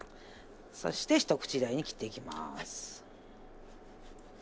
そして一口大に切っていきます。